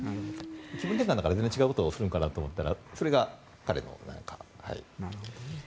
気分転換だから全然違うことをするのかなと思ったらそれが彼の、はい。